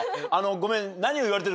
ごめん。